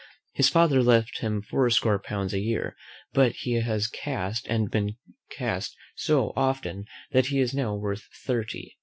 His father left him fourscore pounds a year; but he has CAST and been cast so often, that he is not now worth thirty.